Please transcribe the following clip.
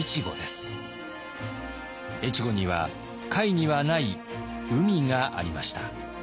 越後には甲斐にはない海がありました。